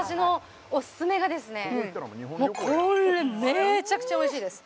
もうこれめちゃくちゃおいしいです！